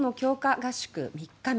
合宿３日目